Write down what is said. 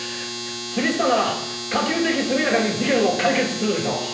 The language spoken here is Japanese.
杉下なら可及的速やかに事件を解決するでしょう。